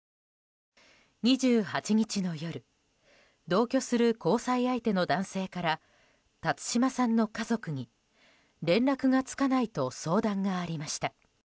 ２８日の夜同居する交際相手の男性から辰島さんの家族に連絡がつかないと相談がありました。